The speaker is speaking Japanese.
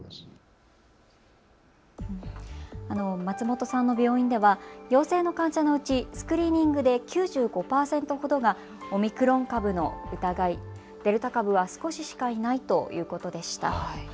松本さんの病院では陽性の患者のうち、スクリーニングで９５％ほどがオミクロン株の疑い、デルタ株は少ししかいないということでした。